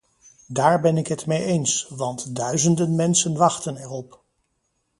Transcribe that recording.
Daar ben ik het mee eens, want duizenden mensen wachten erop.